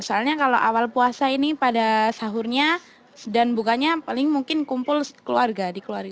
soalnya kalau awal puasa ini pada sahurnya dan bukannya paling mungkin kumpul keluarga